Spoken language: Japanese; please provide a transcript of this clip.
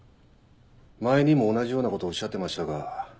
前にも同じようなことをおっしゃってましたが。